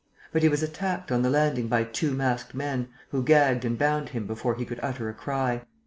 But he was attacked on the landing by two masked men, who gagged and bound him before he could utter a cry.